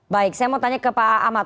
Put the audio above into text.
baik saya mau tanya ke pak ahmad